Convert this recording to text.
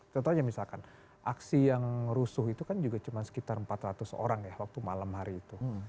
contohnya misalkan aksi yang rusuh itu kan juga cuma sekitar empat ratus orang ya waktu malam hari itu